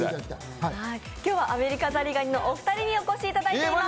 今日はアメリカザリガニのお二人にお越しいただいています。